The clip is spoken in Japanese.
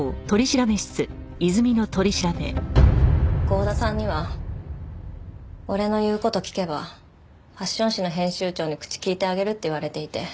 郷田さんには俺の言う事聞けばファッション誌の編集長に口利いてあげるって言われていて。